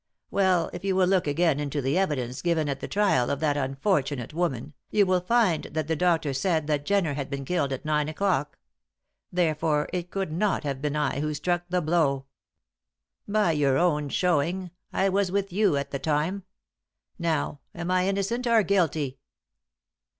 "Well, if you will look again into the evidence given at the trial of that unfortunate woman, you will find that the doctor said that Jenner had been killed at nine o'clock. Therefore, it could not have been I who struck the blow. By your own shewing I was with you at the time. Now, am I innocent or guilty?"